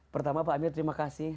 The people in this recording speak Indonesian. pertama pak amir terima kasih